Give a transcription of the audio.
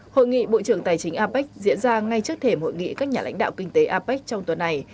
hội nghị bộ trưởng tài chính apec diễn ra ngay trước thềm hội nghị các nhà lãnh đạo kinh tế apec trong tuần này